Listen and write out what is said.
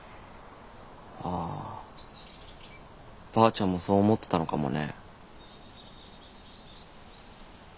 ああばあちゃんもそう思ってたのかもね。